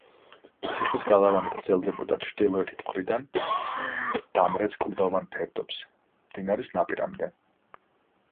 ციხის გალავანი გრძელდებოდა ჩრდილოეთით მხრიდან, დამრეც კლდოვან ფერდობზე, მდინარის ნაპირამდე.